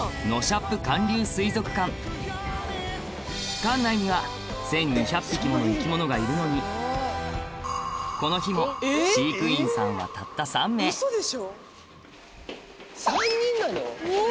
ここから館内には１２００匹もの生き物がいるのにこの日も飼育員さんはたった３名３人なの⁉うわ！